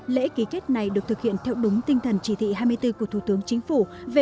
lễ ký kết này được thực hiện theo đúng tinh thần chỉ thị hai mươi bốn của thủ tướng chính phủ về